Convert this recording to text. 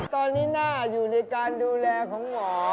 ตอนนี้น่าอยู่ในการดูแลของหมอ